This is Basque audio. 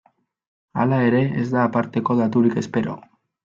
Hala ere, ez da aparteko daturik espero.